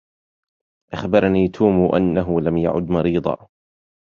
أخبرني توم أنه لم يعد مريضا.